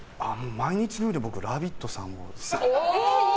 毎日のように「ラヴィット！」さんを。